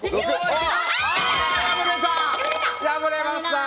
破れました！